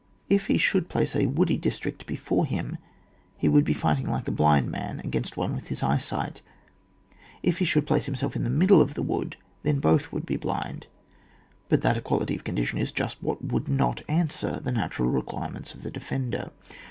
If he should place a woody district before him he would be fighting like a blind man against one with his eyesight If he should place himself in the middle of the wood then both would be blind, but that equality of condition is just what would not answer the natural requirements of the defender.